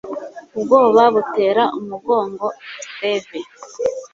ubwoba butera umugongo steve